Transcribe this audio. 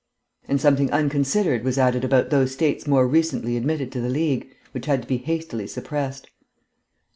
And something unconsidered was added about those states more recently admitted to the League, which had to be hastily suppressed.